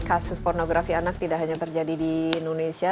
kasus pornografi anak tidak hanya terjadi di indonesia